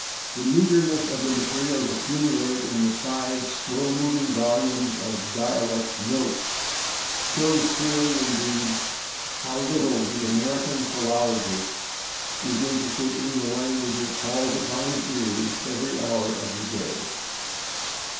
The meagreness of the materials accumulated in the five slow moving volumes of /Dialect Notes/ shows clearly, indeed, how little the American philologist is [Pg008] interested in the language that falls upon his ears every hour of the day.